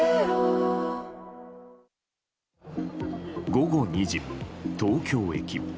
午後２時、東京駅。